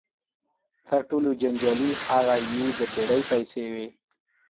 تر ټولو جنجالي هغه یې د بېړۍ پیسې وې.